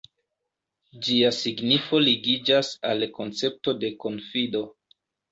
Ĝia signifo ligiĝas al koncepto de konfido.